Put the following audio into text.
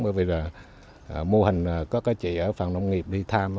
bởi vì là mô hình có cái chị ở phòng nông nghiệp đi tham